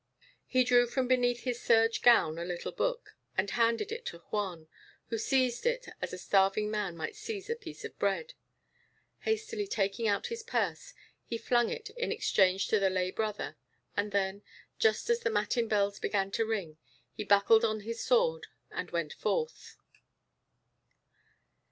He drew from beneath his serge gown a little book, and handed it to Juan, who seized it as a starving man might seize a piece of bread. Hastily taking out his purse, he flung it in exchange to the lay brother; and then, just as the matin bells began to ring, he buckled on his sword and went forth.